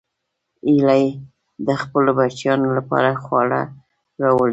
هیلۍ د خپلو بچیانو لپاره خواړه راوړي